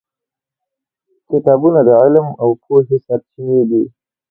کتابونه د علم او پوهې سرچینې دي.